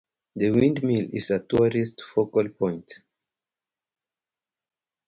The windmill is a tourist focal point.